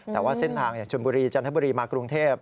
แต่ว่าเส้นทางอย่างชนบุรีจันทบุรีมากรุงเทพ